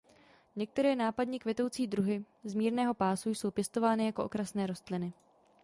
Některé nápadně kvetoucí druhy z mírného pásu jsou pěstovány jako okrasné rostliny.